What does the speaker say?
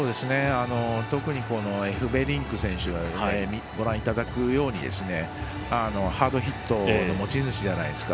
特にエフベリンク選手ご覧いただくようにハードヒットの持ち主じゃないですか。